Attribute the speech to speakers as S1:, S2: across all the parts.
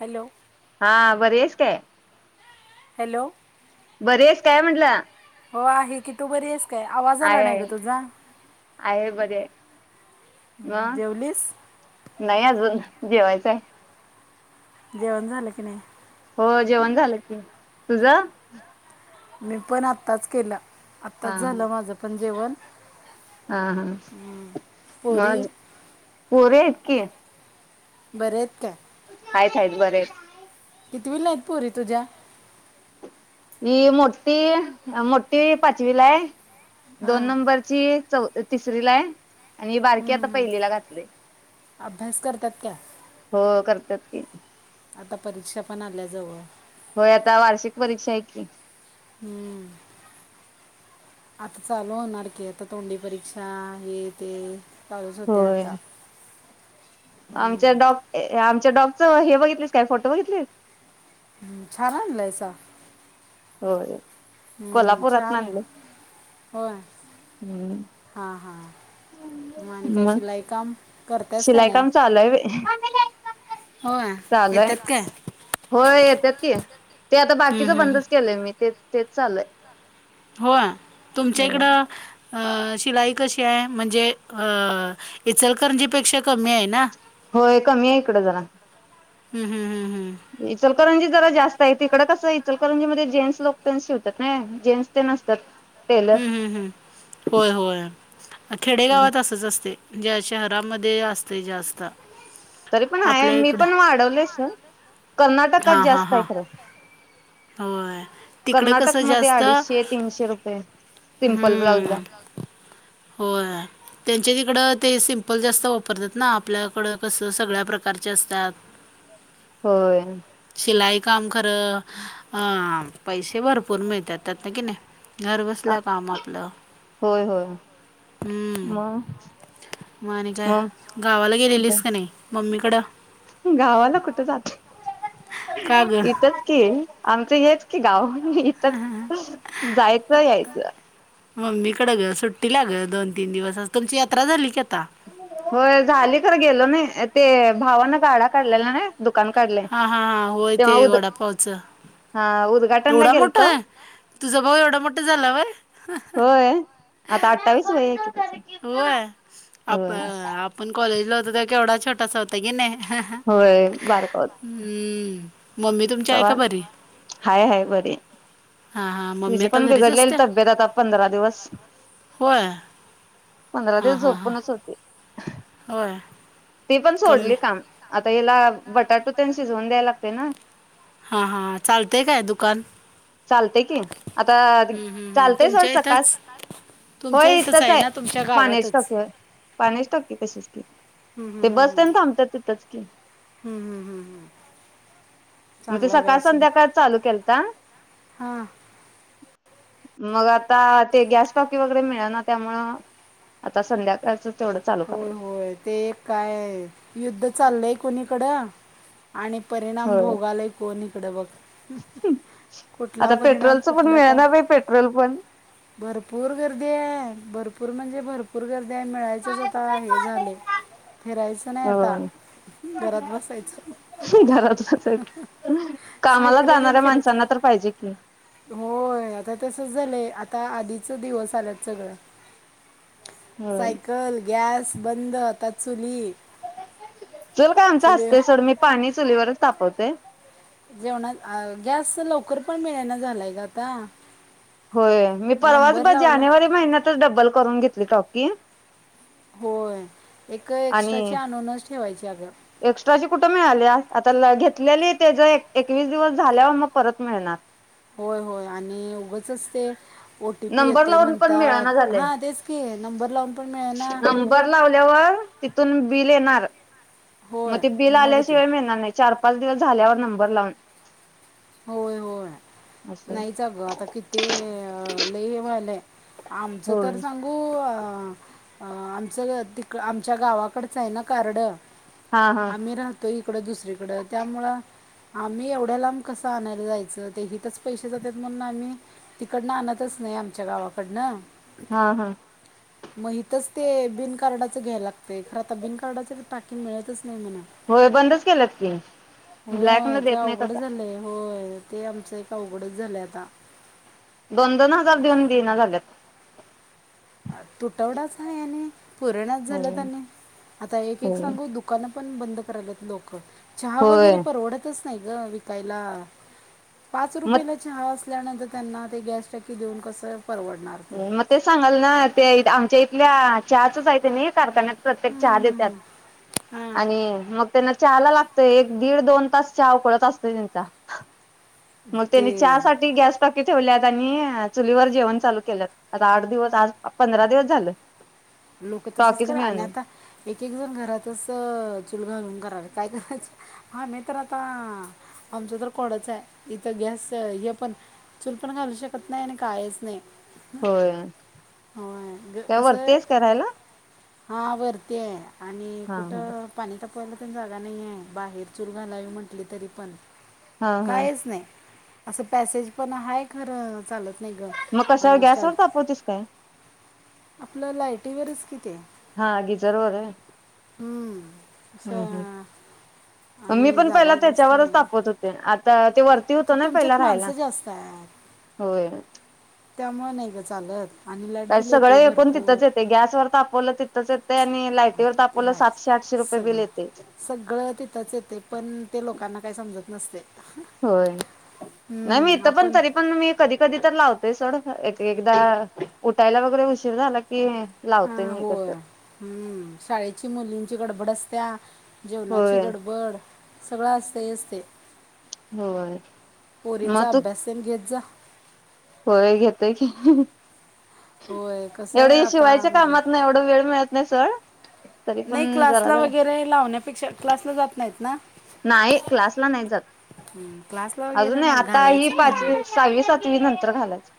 S1: Hello.
S2: हा बरी आहेस काय?
S1: हॅलो.
S2: बरी आहेस काय म्हंटलं?
S1: हो आहे की. तू बरी आहेस? काय आवाज आला नाही
S2: आहे
S1: ग तुझा?
S2: आहे बरी आहे
S1: हम
S2: मग
S1: जेवलीस?
S2: नाही अजून जेवायचं आहे.
S1: जेवन झालं की नाही?
S2: हो. जेवण झालं की तुझं?
S1: मी पण आत्ताच केलं. आत्ताच
S2: हा
S1: झालं माझं पण जेवण.
S2: हा हा म
S1: पोरी
S2: आज पोरी आहेत की.
S1: बरे आहेत काय?
S2: आहेत आहेत बरे आहेत.
S1: कितीवीला आहेत पोरी तुझ्या?
S2: ही मोठी, मोठी पाचवीला आहे.
S1: हां
S2: दोन
S1: हं,
S2: नंबर ती चौ तिसरीला हाय. आणि बारकी आता
S1: हं, हं.
S2: पहिलीला घातलोय.
S1: अभ्यास करतात काय
S2: होय करतात की.
S1: आता परीक्षा पण आल्याजवळ.
S2: होय आता वार्षिक परीक्षा आहे की.
S1: हम्म. आता चालू होणार की, आता तोंडी परीक्षा हे ते. चालूच होते
S2: होय
S1: आता.
S2: आमच्या डॉग आमच्या डॉगच हे बघितलेस काय फोटो बघितली?
S1: छान आनलंयसा.
S2: हो कोल्हापुरातन
S1: छान आहे
S2: आनलय.
S1: होय.
S2: हम्म
S1: हां हां. म आणि काय
S2: मग
S1: शिलाई काम करतेस का
S2: शिलाई
S1: नाही?
S2: काम चालूय व्हय
S1: होय.
S2: चालूय
S1: येतात काय?
S2: होय येतात की, ते आता
S1: हम्म,
S2: बाकीच
S1: हम्म, हम्म.
S2: बंदच केलंय मी ते तेच चालय.
S1: होय. तुमच्या इकडं अ शिलाई कशी आहे? म्हणजे अ इचलकरंजीपेक्षा कमी आहे ना.
S2: होय कमी आहे इकडं जरा
S1: हम्म हम्म हम्म
S2: इचलकरंजी जरा जास्त आहे, तिककडे कसं इचलकरंजी मध्ये जेंट्स लोक त्यां शिवतात ना जेंट्स ते असतात. टेलर
S1: हम्म हम्म हम् होय होय खेडेगावात असच असते. ज्या शहरामध्ये असते जास्त.
S2: तरी पण आहे
S1: आपल्या
S2: मी
S1: इकडं
S2: पण वाढवलेस कर्नाटकात
S1: हां हां
S2: जास्त
S1: हां
S2: आहे खरं.
S1: होय तिकडं कसं
S2: कर्नाटक मध्ये
S1: जास्त
S2: अडीचशे तीनशे रुपये- सिंपल ब्लाउज
S1: हम्म
S2: ला.
S1: होय. त्यांच्या तिकडं ते सिम्पल जास्त वापरतात ना, आपल्याकडं कसं सगळ्या प्रकारचे असतात.
S2: होय.
S1: शिलाई काम खरं अं पैसे भरपूर मिळतात त्यात ना नाही. घर बसल्या काम आपलं
S2: होय होय
S1: हम्म-
S2: मग
S1: म आणि काय,
S2: मग
S1: गावाला गेलेलीस का नाही मम्मी कडं?
S2: गावाला कुठं जाते
S1: का गं
S2: इथच कि. आमचं हेच की गाव इथच जायचं यायचं.
S1: मम्मी कड ग सुट्टीला ग दोन तीन दिवस तुमची यात्रा झाली की आता
S2: होय झाली खर गेलो नाही, ते भावानं गाडा काढलेला दुकान काढलय,
S1: हां हां हां होय
S2: तेव्हा
S1: ते
S2: उद
S1: वडापावचं
S2: हा उद
S1: एवढा मोठा हाय तुझा भाऊ एवढा मोठं झालं वय?
S2: होय आता अठ्ठावीस वय आहे कि
S1: होय आप आपण कॉलेजला होत तेंव्हा केवढा छोटासा होता की नाही?
S2: होय बारका
S1: हम्म. मम्मी तुमची आहे का बरी
S2: हाय हाय बर
S1: हां हां मम्मी
S2: तिची
S1: आता
S2: पण
S1: घरीच
S2: बिघडलेली
S1: असत्या
S2: तब्येत आता पंधरा दिवस.
S1: होय
S2: पंधरा
S1: हां
S2: दिवस
S1: हां हां
S2: झोपूनच होते.
S1: होय.
S2: ती पण
S1: कमी
S2: सोडली काम आता याला बटाटू तेन शिजवून द्यायला लागते ना.
S1: हा हा चालतय काय दुकान?
S2: चालतय की आता
S1: हम्म हम्म हम्म.
S2: चालतंय सोड
S1: तुमच्या
S2: सकाळ
S1: इथंच तुमच्या
S2: होय इथंच आहे
S1: ना तुमच्या गावातच
S2: पाण्याच्या टाकी वर पान्याची टाकी तशीच की. ते
S1: हम्म
S2: बस तेन
S1: हम्म
S2: थांबतात
S1: हम्म
S2: तिथंच की
S1: हम्म हम्म हम्म हम्म हम्म.
S2: मग ते सकाळ संध्याकाळ चालू केलता.
S1: हा.
S2: मग आता ते गॅस टॉकी वगैरे मिळे ना त्यामुळे. आता संध्याकाळच
S1: होय होय ते एक काय युद्ध चाललंय कोणीकडं आणि परिणाम
S2: होय
S1: भोगालय कोन इकड बघ. कुठला
S2: आता
S1: परिणाम
S2: पेट्रोलच पण
S1: कुठलं काय
S2: मिळणा बाई पेट्रोल पण
S1: भरपूर गर्दी हाय भरपूर म्हणजे भरपूर गर्दी हाय आहे मिळायचंच आता हे झालय फिरायचं नाही आता
S2: होय
S1: घरात बसायचं.
S2: घरात बसायचं कामाला
S1: सायकल घेऊन
S2: जाणाऱ्या माणसांना
S1: फिरायचं
S2: तर पाहिजे की.
S1: होय आता तसच झालंय आता आधीच दिवस आलात सगळं
S2: होय
S1: सायकलं, गॅस बंद आंता चुली.
S2: चुलं कायं आमची
S1: चुलीवर
S2: असते सोंड मी पाणी चूली वरचं तापवते.
S1: जेवणां गॅस लवकरं पणं मिळेना झालायं कां आंता.
S2: होयं मी परवांच बघं
S1: लावला
S2: जानेवारी महिन्यांतच डब्बंल करूंन घेतली टॉकी
S1: होयं एक एक्स्ट्रांची आणूंन चं ठेवांयची अ गं.
S2: एक्स्ट्रांची कुठं मिळाल्यां आंता घेतलेली त्यां जे एकवीस दिवसं झाल्यांवर मंग परंत मिळणारं.
S1: होयं होयं आणि उगंचच ते ओ टी पी
S2: नंबर
S1: येतोय
S2: लावून पण मिळना
S1: म्हणतांत
S2: झालंय
S1: हां तेचं की नंबर लावूंन पणं मिळे नां
S2: नंबर लावल्यांवर तिथूंन बिलं येणारं
S1: होय
S2: मगं ते बिलं
S1: मग ते
S2: आल्यांशिवाय मिळणारं नाहीं. चार पांच दिवसं झाल्यावर नंबर लावूंन.
S1: होयं होयं
S2: असं
S1: नाहींच आं गं आंता किती लव्हांलंय. आमचं तरं
S2: होय
S1: सांगू आमचं तिक आमच्यां गावांकडचं आहे नां कार्ड
S2: हा हा
S1: आम्हीं राहतो इकडं दुसरीकडं त्यामुळं आम्हीं एवढ्यां लांब कसं आणांयला जायचं ते हिताचं पैसे जातांत म्हणूंन आम्हीं तिकडनं आणतं चं नाहीं आमच्यां गावांकडनं.
S2: हां हां.
S1: मं हितचं ते बिन कार्डाचं घ्यायंला लागतं खरं आंता बिन कार्डाच टाकी मिळतंच नाहीं म्हणां.
S2: होयं बंदचं केलंत की. ब्लॅक न
S1: होयं ते
S2: देत नाहीत
S1: अवघंड
S2: आता
S1: झालंय होयं ते आमचं एक अवघंडचं झालंय आंता.
S2: दोन दोन हजांर देऊंन देनां झाल्यांत.
S1: तुटवडा चं आहे आणि पुरनांच
S2: होय
S1: झाल्यांत आणि आंता एक एक
S2: होय
S1: सांगू दु- दुकानं पणं बंद करल्यांत लोकं चहा वगैरें
S2: होय
S1: परवडतंच- नाहीं गं विकायंला पांच रूपयन
S2: मग
S1: - चहा असल्यानंतर त्यांना ते गॅस टाकी देऊंन त्यांना कसं परवडणारं.
S2: मग ते सांगाल नां ते आमच्यां इथल्यां चहाच चं आहे तेनी कारखान्यांत- प्रत्येक
S1: हम्म,
S2: चहा
S1: हम्म,
S2: देतांत
S1: हम्म. हम्म. हां
S2: आणि मगं त्यांना चहा लां लागंत- एक दीड दोन तांस चहा उकळंत असतो त्यांचा- मंग त्यांनी चहा
S1: ते
S2: साठी गॅस टाकी ठेवल्यांत आणि चुलीवरं जेवणं चालूं केलं- आंता आंठ दिवसं झालं आंज पंधरा दिवसं झालेत.
S1: लोकं तसंच करां आणि आंता एक एक घरांतचं चुलं घालूंन करल्यांत कायं करायचं. हां मी तरं आंता आमचं तरं कोडंच आहे इथं गॅस हे पणं- चुलं पणं घालूं शकतं नाहीं आणि कांहींच नाहीं.
S2: होयं कायं वरती आहेस कां राहायंला.
S1: हां वरती आहे आणि
S2: हा हा
S1: कुठं- पाणी तापवांयला पणं जागां नाहीं आहेे बाहेर चूलं घालांवी म्हंटली तरी पणं-
S2: हा हा
S1: कायं चं नाहीं असं पॅसेज पणं आहे खरं चालतं नाहीं गं-
S2: मंग कशावरं गॅसवर तापवतीस कायं?
S1: आपलं लायटीवरं चं किती.
S2: हां गिझर वरं व्हयं.
S1: हम्मं असं.
S2: मी
S1: आणि
S2: पणं पहिला
S1: जागा जास्त
S2: त्यांच्यावरचं
S1: नाही
S2: तापवंत होते आंता ते वरती
S1: आता
S2: होतं नां पहिला
S1: तुमच्यात
S2: राहायंला.
S1: माणसं जास्त
S2: होयं.
S1: त्यांमूळे नाहीं गं चालतं आणि लाईट बिल येते भरंपूर.
S2: ते गॅसवरं तापवलं तिथंच येते आणि लायटीवर
S1: ते
S2: तापवलं
S1: लाईट
S2: सातशे आठशे रुपये बिल
S1: सगळं
S2: येते.
S1: सगळं तिथंच येतय पण, ते लोकांना काय समजत नसतय
S2: होय, नाही मी इथं पण
S1: आपण
S2: तरी पण मी कधी, कधी तर लावतोय सोड, एक-एकदा उठायला वगैरे उशीर झाला की लावतोय
S1: हां
S2: मी
S1: होय
S2: कधीतर.
S1: हम्म, शाळेची मुलींची गडबड असत्या, जेवणाची
S2: होय.
S1: गडबड सगळं असतयच ते,
S2: होय. मग
S1: पोरींचा
S2: तू
S1: अभ्यास घेत जा.
S2: होय घेतोय की,
S1: होय कसं
S2: एवढे
S1: आहे
S2: हे
S1: आता
S2: शिवायच्या
S1: म्हणजे
S2: कामात एवढ वेळ मिळत नाही सोड. तरी
S1: नाही
S2: पण जरा
S1: क्लासला
S2: जरा
S1: वगैरे लावण्यापेक्षा, क्लासला जात नाहीत ना?
S2: नाही, क्लासला नाही जात.
S1: हम्मं, क्लासला
S2: अजून नाही
S1: वगैरे
S2: आता ही
S1: घालायचं नाही हां
S2: पाचवी सहावी, सातवी नंतर घालायचं.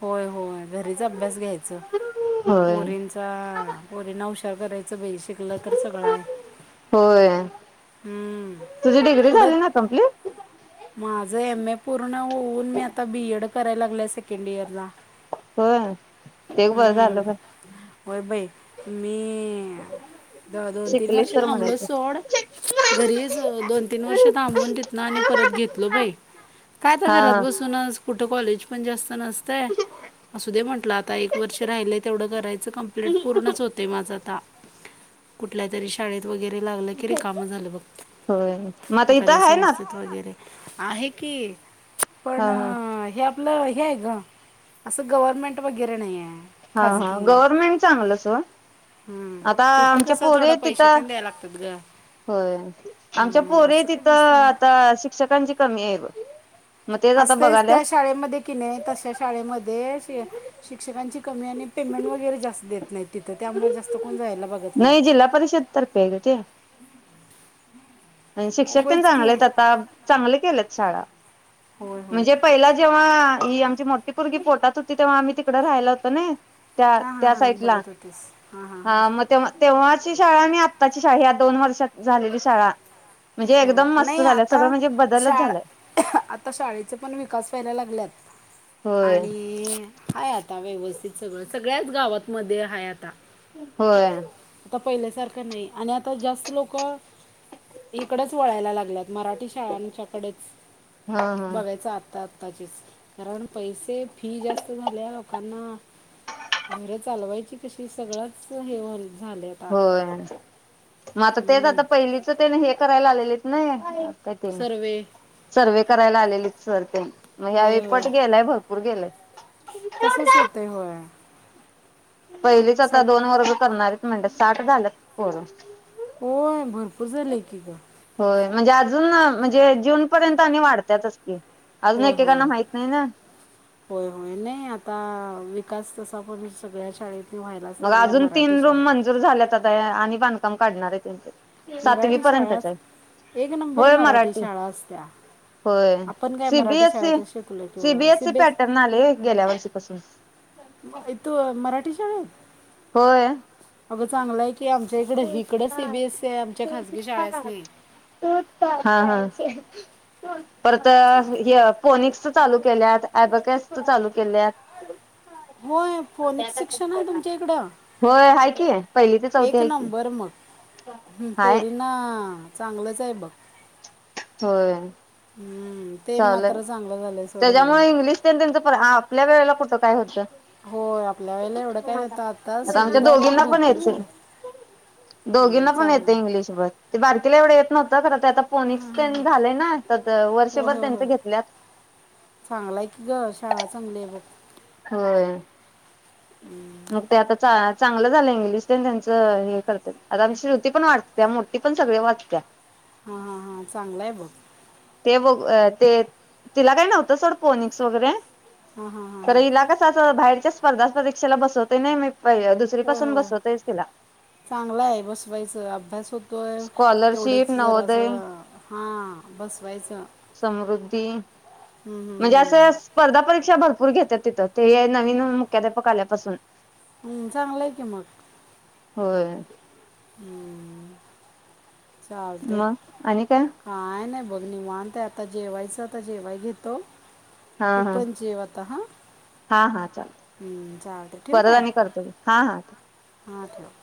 S1: होय, होय घरीच अभ्यास घ्यायच,
S2: होय
S1: पोरींच हा, पोरींना हुशार करायचं बाई, शिकलं तर सगळ हाय.
S2: होय, तुझी डिग्री
S1: पुढं
S2: झाली ना कंप्लीट?
S1: माझं एम ए पूर्ण होऊन मी आता बी एड कराय लागलीया सेकंड इयरला.
S2: होय, ते एक बरं झालं बाय
S1: व्हयं बाई मी जवळ, जवळ तीन
S2: शिकलीस
S1: वर्ष
S2: तर
S1: थांबलोच
S2: म्हणायचं
S1: सोड घरीच दोन, तीन वर्ष थांबून तितनं आणि परत घेतलं बाई, काय आता
S2: हा
S1: घरात
S2: हा
S1: बसूनच कुठं कॉलेज पण जास्त नसतय. असू दे म्हटल आता, एक वर्ष राहिलंय तेवढं करायचं कंप्लीट पूर्णच होतय माझं आता.
S2: [unintelligible]
S1: कुठल्या तरी शाळेत वगैरे लागलं की रिकाम झालं बघ,
S2: होय मग आता
S1: एखाद्या
S2: इथं आहे ना
S1: संस्थेत वगैरे आहे की, पण
S2: हा हा
S1: अ, हे आप आपलं हे हाय गं, असं गव्हर्नमेंट वगैरे नाहीयाय.
S2: हा, हा गव्हर्नमेंट चांगलंच सोड
S1: हम्म,
S2: आता
S1: तिथं
S2: आमच्या
S1: कसं
S2: पोरी
S1: थोडं
S2: आहेत
S1: पैशे
S2: तिथं
S1: तेन द्याय लागत्यात गं
S2: होय, आमच्या पोरी तिथं
S1: जास्त नाही
S2: आता शिक्षकांची कमी आहे ब म तेच आता
S1: असतेच
S2: बघायल्यात.
S1: त्या शाळेमध्ये कि नाय तश्या शाळेमध्ये ते शिक्षकांची कमी आणि पेमेंट वगैरे जास्त देत नाहीत तिथं त्यामुळे जास्त कोण जायला बघ
S2: नाही जिल्हा परिषद तर्फे आहे गगं ते शिक्षक तेन
S1: होयच की
S2: चांगलेत आता, चांगले केल्यात शाळा
S1: होय होय
S2: म्हणजे पहिला जेव्हा ही आमची मोठी पुरगी पोटात हुती तेव्हा आम्ही तिकडं राहायला हुतं नई
S1: हा, हा, हां बघत होती हा, हां, हां
S2: तेव्हा-तेव्हाची शाळा आणि आत्ताची शाळा या दोन वर्षात झालेली शाळा म्हणजे
S1: होय,
S2: एकदम मस्त
S1: नई
S2: झाल्या
S1: आता
S2: सगळं म्हणजे बदलच झालाय
S1: शाळा आता शाळेचे पण विकास व्हायला लागल्यात,
S2: होय
S1: आणि हाय आता व्यवस्थित सगळं, सगळ्याच गावातमध्ये हाय आता.
S2: होय
S1: आता पहिल्यासारखं नाई आणि आता जास्त लोकं इकडंच वळायला लागल्यात, मराठी शाळांच्याकडेच
S2: हा हा
S1: बघायच आतात ऑफिस, कारण पैसे, फी जास्त झाल्या लोकांना. घर चालवायची कशी, सगळंच हे होऊन झालंय.
S2: होय, मग आता तेच, आता पहिलीच तेन हे करायला आलेलेत, ने ही. काय ते,
S1: सर्वे
S2: सर्व करायला आलेले, सर, ते मग ह्या
S1: होय होय
S2: मत गेलाय, भरपूर गेलाय.
S1: तसंच होतंय, होय.
S2: पहिलीच आता
S1: सग
S2: दोन वर्ग करणारेत म्हणले, साठ झालेत पोरं.
S1: होय, भरपूर झाले की, ग.
S2: होय, म्हणजे अजून, म्हणजे जून पर्यंत, आणि वाढत्यातच कि, अजून
S1: होय होय
S2: एकेकांना माहित नाही, ना.
S1: होय, होय, नाही आता विकास तसा, पण सगळ्या शाळेत. ती व्हायलाच लागला, मराठी शाळा.
S2: दूर झाल्यात आता ह्या आणि बांधकाम काढणार आहे, त्यांचे सातवी
S1: मराठी
S2: पर्यंतच आहे.
S1: शाळाच एक नंबर मराठी शाळा असत्या
S2: होय
S1: आपण काय? मराठी शाळेत शिकलो किव सी बी एस
S2: नाले गेल्यावर्षी पासून
S1: इथं मराठी शाळेत?
S2: होय.
S1: अगं, चांगलंय की, आमच्या इकडं-तिकडंच सी बी एस ई हाय, आमच्या खाजगी शाळासनी.
S2: हा हा, परत
S1: चा-
S2: हे... फोनिक्सच चालू केल्यात, अ‍ॅबॅकसच चालू केल्यात
S1: होय फोनिक शिक्षण आहे तुमच्या इकडं
S2: [inaudible] होय, हाय की, पहिली ते चौथी.
S1: बरं मग,
S2: हाय
S1: पोरींना चांगलंच आहे बघ
S2: होय
S1: हं, ते मात्र चांगलं झालंय, सोड. होय.
S2: त्या, त्यांचं आपल्या वेळेला कुठं काय होतं?
S1: होय, आपल्या वेळेला एवढं काय नव्हतं, आता सुविधा तर भरपूर झाल्यात.
S2: दोघींना पण येतंय इंग्लिश ब ते बारकीला एवढं येत नव्हतं खरं तर, आता फोनीक्स झालंय ना, तर वर्षभर त्यांचं घेतल्यात.
S1: चांगलाय की गं, शाळा चांगलीय बघ.
S2: होय मग ते आता चांगलं झालंय, इंग्लिश ते त्यांचं हे करत... आता आमची श्रुती पण वाच - त्या मोठी पण सगळं वाचत्या
S1: हा हा, हां, चांगलाय बघ.
S2: ते बघ, तिला काय नव्हतं, सोड, फोनीक्स वगैरे,
S1: हां हां हां
S2: तर
S1: हां
S2: हिला कसं बाहेरच्या स्पर्धा परीक्षेला बसवतोय ना मी, दुसरीपासून बसवतोय मी तिला.
S1: चांगलं आहे, बसवायचं. अभ्यास होतोय
S2: स्कॉलरशिप
S1: तेवढाच
S2: नवोदय
S1: जरासं हा बसवायचं
S2: समृद्धी
S1: हं, हं,
S2: म्हणजे
S1: हं.
S2: असंस स्पर्धा परीक्षा भरपूर घेतात तिथं, ते नवीन मुख्याध्यापक आल्यापासून
S1: हं, चांगलंय की मग
S2: होय
S1: हं चालतंय.
S2: मग आणि
S1: काय नाही बघ, निवांत. आता जेवायचं, आता जेवायला घेतो.
S2: हा
S1: तू
S2: हा
S1: पण जेव आता, हां.
S2: हा हा, चालतंय,
S1: हं,
S2: परत बोलू आणि करतो, हा हा.
S1: हा ठिक